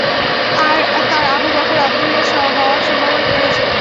তার আবু বকর আবদুল্লাহ হওয়ার সম্ভাবনা রয়েছে।